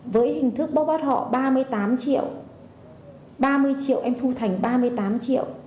với hình thức bốc bắt họ ba mươi tám triệu ba mươi triệu em thu thành ba mươi tám triệu